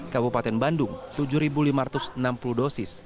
kabupaten bandung tujuh lima ratus enam puluh dosis